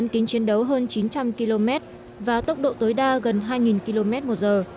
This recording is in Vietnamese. kính chiến đấu hơn chín trăm linh km và tốc độ tối đa gần hai km một giờ